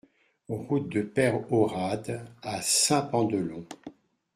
Route de Peyrehorade à Saint-Pandelon